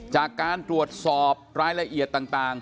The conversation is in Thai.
จากการตรวจสอบรายละเอียดต่าง